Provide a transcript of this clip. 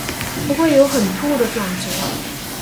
不会有很突兀的转折